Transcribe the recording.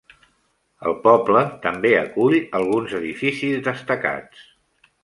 El poble també acull alguns edificis destacats.